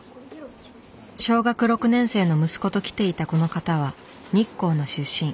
小学６年生の息子と来ていたこの方は日光の出身。